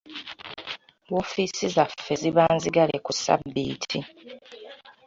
Woofiisi zaffe ziba nzigale ku ssabbiiti.